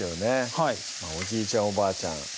はいおじいちゃん・おばあちゃん